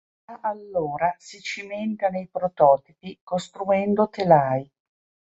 Da allora si cimenta nei prototipi costruendo telai.